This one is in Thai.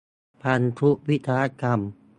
พันธุวิศวกรรม